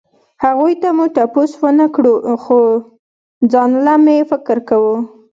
هغو نه مو تپوس ونکړو خو ځانله مې فکر کوو